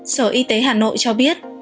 sở y tế hà nội cho biết